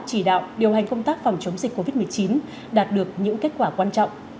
chỉ đạo điều hành công tác phòng chống dịch covid một mươi chín đạt được những kết quả quan trọng